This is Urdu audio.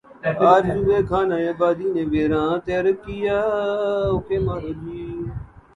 آرزوئے خانہ آبادی نے ویراں تر کیا